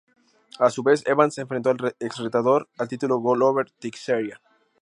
A su vez, Evans enfrentó al ex retador al título Glover Teixeira.